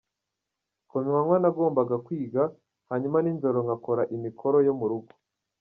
Ku manywa nagombaga kwiga, hanyuma nijoro nkakora imikoro yo mu rugo.